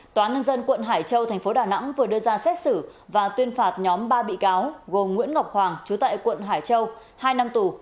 tòa nhân dân quận hải châu tp đà nẵng vừa đưa ra xét xử và tuyên phạt nhóm ba bị cáo gồm nguyễn ngọc hoàng chú tại quận hải châu hai năm tù